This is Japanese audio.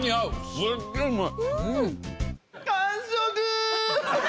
すげえうまい。